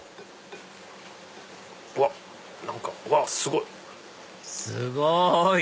うわっ何かうわすごい！